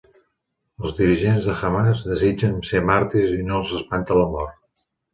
Els dirigents de Hamàs desitgen ser màrtirs i no els espanta la mort.